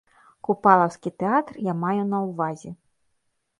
Купалаўскі тэатр, я маю на ўвазе.